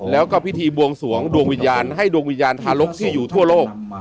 แล้วก็พิธีบวงสวงดวงวิญญาณให้ดวงวิญญาณทารกที่อยู่ทั่วโลก